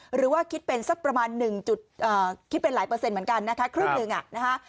หรือว่าคิดเป็นสักประมาณ๑จุดคิดเป็นหลายเปอร์เซ็นต์เหมือนกันนะคะ